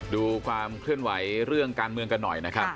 ดูความเคลื่อนไหวเรื่องการเมืองกันหน่อยนะครับ